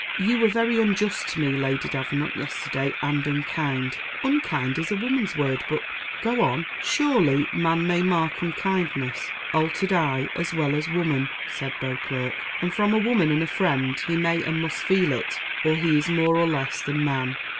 "You were very unjust to me, Lady Davenant, yesterday, and unkind." "Unkind is a woman's word; but go on." "Surely man may mark 'unkindness' altered eye' as well as woman," said Beauclerc; "and from a woman and a friend he may and must feel it, or he is more or less than man."